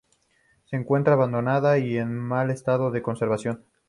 Se encuentra abandonada, y en mal estado de conservación.